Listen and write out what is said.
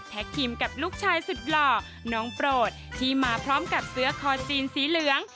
คิมกับลูกชายสุดหล่อน้องโปรดที่มาพร้อมกับเสื้อคอจีนสีเหลือง